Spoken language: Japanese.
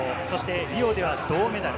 リオでは銅メダル。